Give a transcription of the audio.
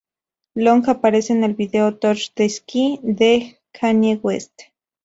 Long aparece en el video "Touch The Sky" de Kanye West.